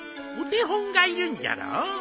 お手本がいるんじゃろ。